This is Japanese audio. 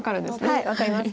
はい分かります。